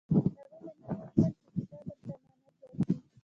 هغه له مینې وغوښتل چې کتاب ورته امانت ورکړي